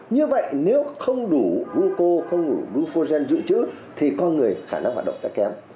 như vậy nếu không đủ glucose không đủ glucogen giữ chữ thì con người khả năng hoạt động sẽ kém